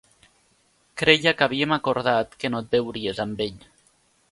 Creia que havíem acordat que no et veuries amb ell?